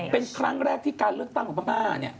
เป็นครั้งแรกที่การเลือกตั้งของปั้งปั๊ปป้า